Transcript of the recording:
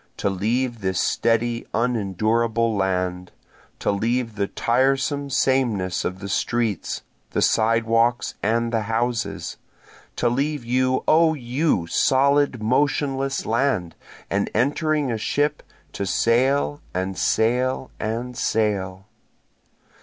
To leave this steady unendurable land, To leave the tiresome sameness of the streets, the sidewalks and the houses, To leave you O you solid motionless land, and entering a ship, To sail and sail and sail!